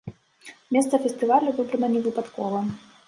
Месца фестывалю выбрана невыпадкова.